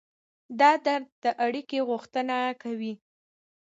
دا درد د اړیکې غوښتنه کوي.